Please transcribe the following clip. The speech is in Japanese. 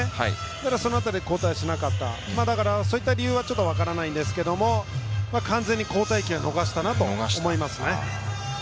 その中で交代しなかったそういった理由はちょっと分からないんですけれども、完全に交代期を逃したなと思いますね。